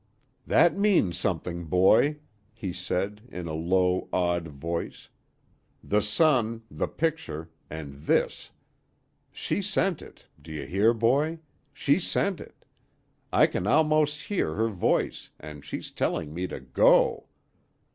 "That means something, boy," he said, in a low, awed voice, "the sun, the picture, and this! She sent it, do you hear, boy? She sent it! I can almost hear her voice, an' she's telling me to go.